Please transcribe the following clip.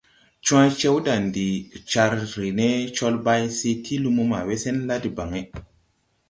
Cwa̧y, Cewdandi car re ne Colbay se ti lumo ma we sen la debaŋ.